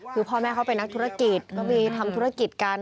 คือพ่อแม่เขาเป็นนักธุรกิจเขามีทำธุรกิจกัน